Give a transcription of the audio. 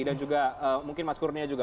dan juga mungkin mas kurnia juga